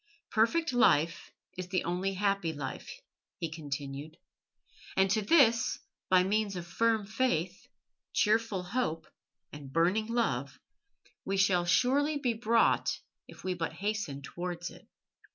Perfect life is the only happy life," he continued, "and to this, by means of firm faith, cheerful hope, and burning love we shall surely be brought if we but hasten towards it."